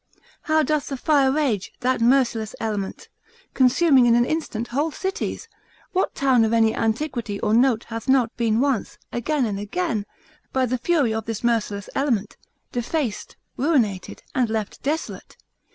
How doth the fire rage, that merciless element, consuming in an instant whole cities? What town of any antiquity or note hath not been once, again and again, by the fury of this merciless element, defaced, ruinated, and left desolate?